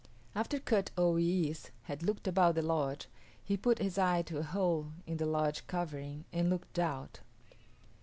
After Kut o yis´ had looked about the lodge he put his eye to a hole in the lodge covering and looked out.